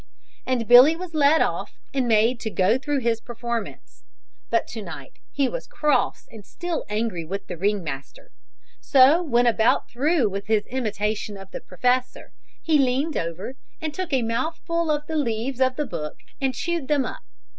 And Billy was led off and made to go through his performance. But to night he was cross and still angry with the ring master. So when about through with his imitation of the professor, he leaned over and took a mouthful of the leaves of the book and chewed them up.